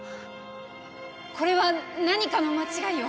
これは何かの間違いよ。